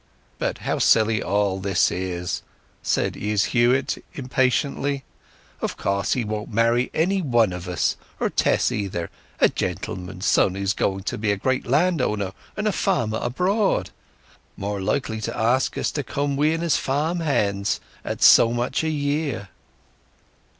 "But how silly all this is!" said Izz Huett impatiently. "Of course he won't marry any one of us, or Tess either—a gentleman's son, who's going to be a great landowner and farmer abroad! More likely to ask us to come wi'en as farm hands at so much a year!"